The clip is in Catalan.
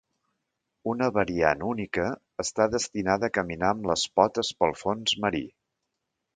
Una variant única està destinada a caminar amb les potes pel fons marí.